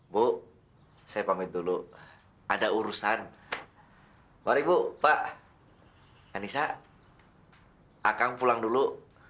bu saya pamit dulu ada urusan waribu pak anissa akan pulang dulu